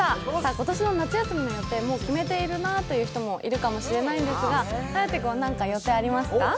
今年の夏休みの予定、もう決めているなという人もいると思いますが颯君は何か予定ありますか？